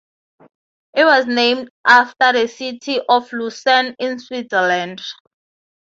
It was named after the city of Lucerne, in Switzerland.